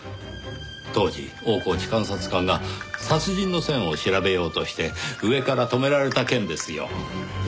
当時大河内監察官が殺人の線を調べようとして上から止められた件ですよ。